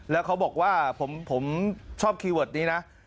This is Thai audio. แล้วเขาบอกว่าผมชอบคีย์เวิร์ดนี้นะ